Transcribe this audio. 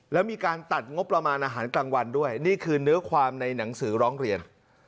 แล้วมีการตัดงบประมาณอาหารกลางวันด้วยนี่คือเนื้อความในหนังสือร้องเรียน